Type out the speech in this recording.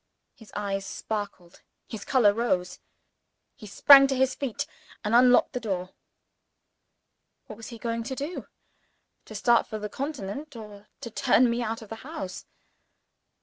His eyes sparkled; his color rose. He sprang to his feet, and unlocked the door. What was he going to do? To start for the Continent, or to turn me out of the house?